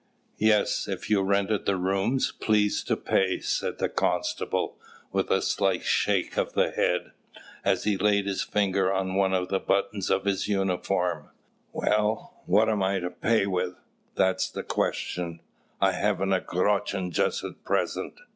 "Yes, if you rented the rooms, please to pay," said the constable, with a slight shake of the head, as he laid his finger on one of the buttons of his uniform. "Well, what am I to pay with? that's the question. I haven't a groschen just at present."